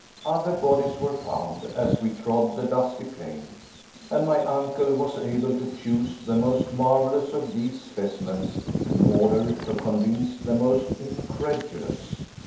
Other bodies were found, as we trod the dusty plain, and my uncle was able to choose the most marvelous of these specimens in order to convince the most incredulous.